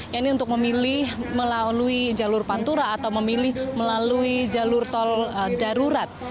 yang ini untuk memilih melalui jalur pantura atau memilih melalui jalur tol darurat